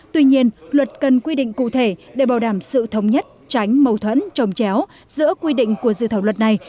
tuy nhiên luật cần quy định cụ thể để bảo đảm sự thống nhất tránh mâu thuẫn trồng chéo giữa quy định của dự thảo luật này